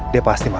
terima kasih pak